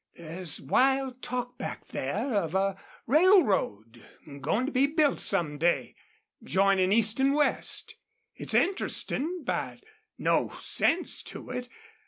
There's wild talk back there of a railroad goin' to be built some day, joinin' east an' west. It's interestin', but no sense to it.